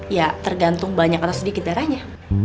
ya tergantung banyak atau sedikit darahnya